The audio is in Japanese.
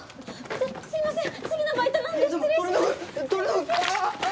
すいません！